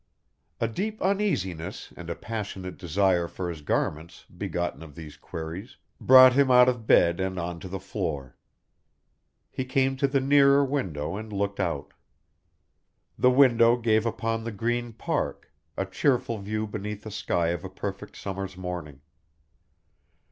A deep uneasiness and a passionate desire for his garments begotten of these queries, brought him out of bed and on to the floor. He came to the nearer window and looked out. The window gave upon the Green Park, a cheerful view beneath the sky of a perfect summer's morning.